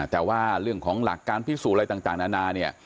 แต่ว่าเรื่องของหลักการพิสูจน์อะไรต่างนานาเนี่ย